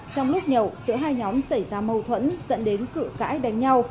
trong lúc nhậu giữa hai nhóm xảy ra mâu thuẫn dẫn đến cự cãi đánh nhau